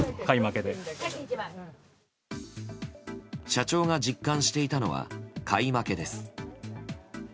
社長が実感していたのは買い負けです。